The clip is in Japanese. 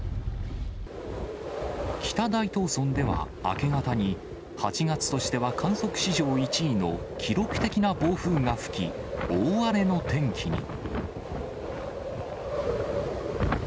北大東村では明け方に、８月としては観測史上１位の記録的な暴風が吹き、大荒れの天気に。